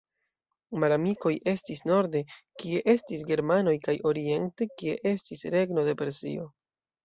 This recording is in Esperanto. Malamikoj estis norde, kie estis germanoj kaj oriente, kie estis regno de Persio.